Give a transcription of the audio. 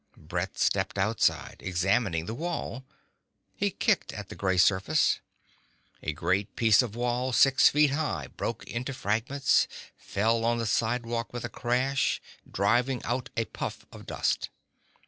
Brett stepped outside, examined the wall. He kicked at the grey surface. A great piece of wall, six feet high, broke into fragments, fell on the sidewalk with a crash, driving out a puff of dust.